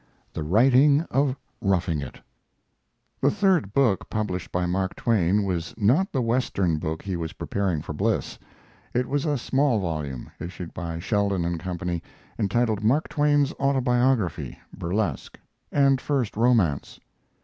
THE WRITING OF "ROUGHING IT" The third book published by Mark Twa in was not the Western book he was preparing for Bliss. It was a small volume, issued by Sheldon & Co., entitled Mark Twain's Autobiography (Burlesque) and First Romance.